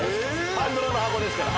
パンドラの箱ですから。